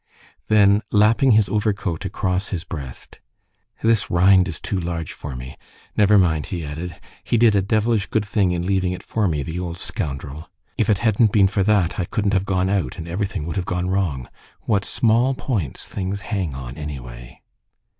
Then lapping his overcoat across his breast:— "This rind is too large for me. Never mind," he added, "he did a devilish good thing in leaving it for me, the old scoundrel! If it hadn't been for that, I couldn't have gone out, and everything would have gone wrong! What small points things hang on, anyway!"